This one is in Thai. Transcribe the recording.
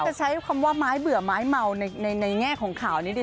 จะใช้คำว่าไม้เบื่อไม้เมาในแง่ของข่าวนี้ดี